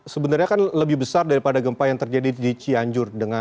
sebenarnya kan lebih besar daripada gempa yang terjadi di cianjur